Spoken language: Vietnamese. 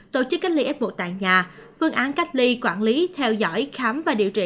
tổ chức cách ly f một tại nhà phương án cách ly quản lý theo dõi khám và điều trị